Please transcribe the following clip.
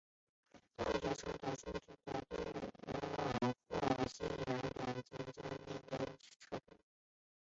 道雪重整休松的友军后往西南转进筑后山隈城撤退。